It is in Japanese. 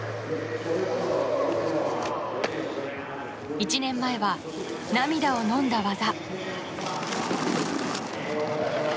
１年前は涙をのんだ技。